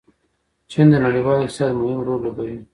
چین د نړیوال اقتصاد مهم رول لوبوي.